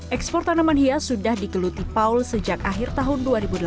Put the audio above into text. ekspor tanaman hias sudah digeluti paul sejak akhir tahun dua ribu delapan belas